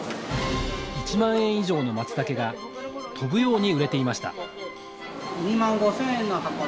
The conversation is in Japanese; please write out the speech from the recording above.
１万円以上のマツタケが飛ぶように売れていました